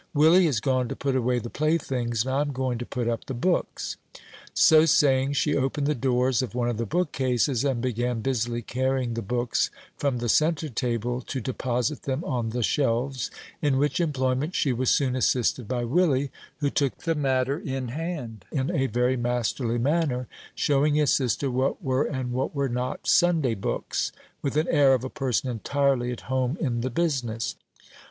Willie has gone to put away the playthings, and I'm going to put up the books." So saying, she opened the doors of one of the bookcases, and began busily carrying the books from the centre table to deposit them on the shelves, in which employment she was soon assisted by Willie, who took the matter in hand in a very masterly manner, showing his sister what were and what were not "Sunday books" with the air of a person entirely at home in the business.